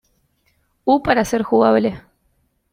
U para ser jugable.